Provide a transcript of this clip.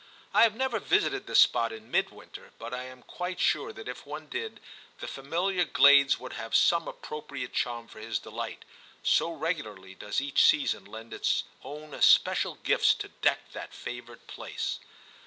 I have never visited the spot in midwinter, but I am quite sure that if one did the familiar glades would have some appropriate charm for his delight, so regularly does each season lend its own especial gifts to deck that favoured place.